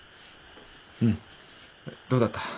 うんどうだった？